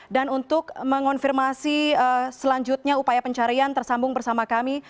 dan untuk mengonfirmasi selanjutnya upaya pencarian tersambung bersama kami